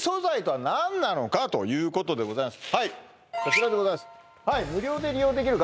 はいということでございます